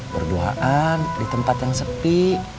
berdoaan di tempat yang sepi